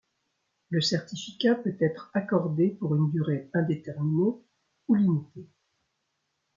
Le certificat peut être accordé pour une durée indéterminée ou limitée.